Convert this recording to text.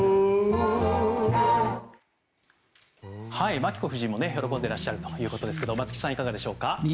まき子夫人も喜んでいらっしゃるということですが松木さん、いかがでしょうか。